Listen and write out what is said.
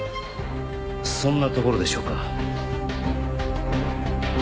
そんなところでしょうか。